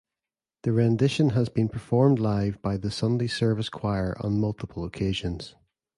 The rendition has been performed live by the Sunday Service Choir on multiple occasions.